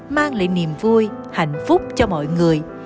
mang lại niềm vui hạnh phúc cho mọi người